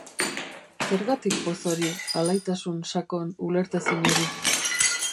Zergatik poz hori, alaitasun sakon, ulertezin hori?